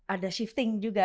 ada shifting juga